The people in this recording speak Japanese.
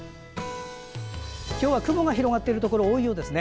今日は雲が広がっているところが多いようですね。